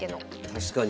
確かに。